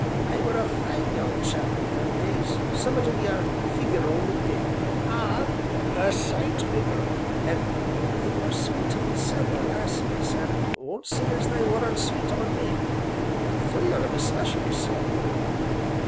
I were a fine young chap in them days, summat o' your figure only bigger ah! a sight bigger an' I were sweet on several lassies, an' won't say as they wer'n't sweet on me three on 'em most especially so.